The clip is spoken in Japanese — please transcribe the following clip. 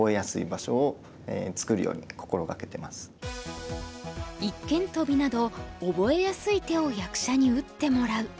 なるべく一間トビなど覚えやすい手を役者に打ってもらう。